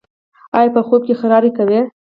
ایا په خوب کې خراری کوئ؟